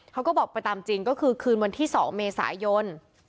เขาก็บอกไปตามจริงก็คือคืนวันที่๒เมษายน